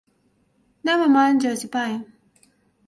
Never mind Josie Pye.